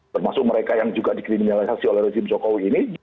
termasuk mereka yang juga dikriminalisasi oleh rezim jokowi ini